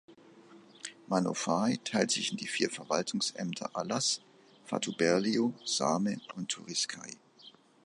Manufahi teilt sich in die vier Verwaltungsämter Alas, Fatuberlio, Same und Turiscai.